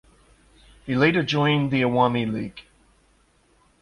He later joined Awami League.